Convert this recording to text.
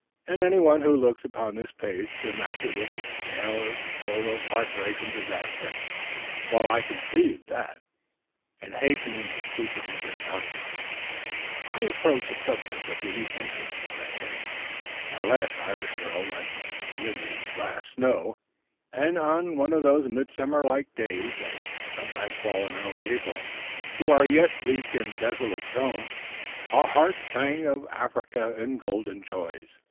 Any one who looks upon this page could match it with a tale as full of heartbreak and disaster, while I conceive that, in hastening to speak of Mrs. Johnson, I approach a subject of unique interest.... I say, our last Irish girl went with the last snow, and on one of those midsummer like days that sometimes fall in early April to our yet bleak and desolate zone, our hearts sang of Africa and golden joys.